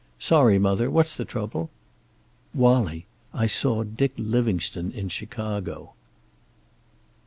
"Sorry, mother. What's the trouble?" "Wallie, I saw Dick Livingstone in Chicago."